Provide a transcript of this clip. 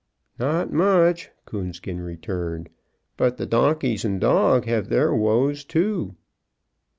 "Not much," Coonskin returned; "but the donkeys and dog have their woes, too."